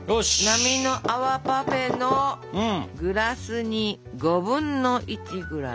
なみのあわパフェのグラスに５分の１ぐらい。